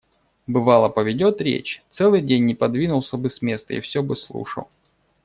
Бывало, поведет речь – целый день не подвинулся бы с места и всё бы слушал.